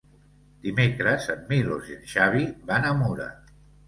Dimecres en Milos i en Xavi van a Mura.